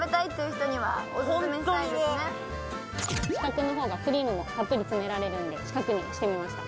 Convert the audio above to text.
四角の方がクリームもたっぷり詰められるので四角にしてみました。